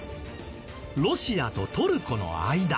ロシアとトルコの間。